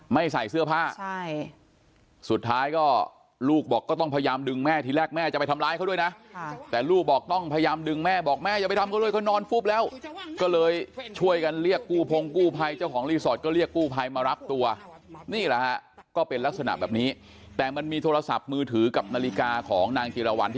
ใส่เสื้อผ้าใช่สุดท้ายก็ลูกบอกก็ต้องพยายามดึงแม่ทีแรกแม่จะไปทำร้ายเขาด้วยนะแต่ลูกบอกต้องพยายามดึงแม่บอกแม่อย่าไปทำเขาเลยเขานอนฟุบแล้วก็เลยช่วยกันเรียกกู้พงกู้ภัยเจ้าของรีสอร์ทก็เรียกกู้ภัยมารับตัวนี่แหละฮะก็เป็นลักษณะแบบนี้แต่มันมีโทรศัพท์มือถือกับนาฬิกาของนางจิรวร